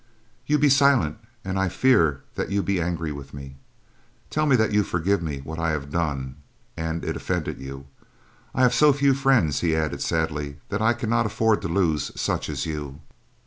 "You be silent, and I fear that you be angry with me. Tell me that you forgive what I have done, an it offended you. I have so few friends," he added sadly, "that I cannot afford to lose such as you."